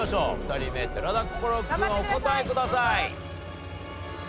２人目寺田心君お答えください。